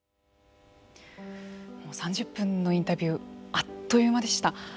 ３０分のインタビューあっという間でした。